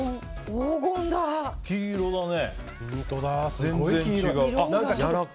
黄色だね。